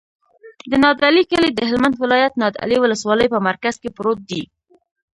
د نادعلي کلی د هلمند ولایت، نادعلي ولسوالي په مرکز کې پروت دی.